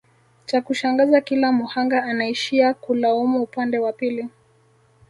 chakushangaza kila muhanga anaishia kulaumu upande wa pili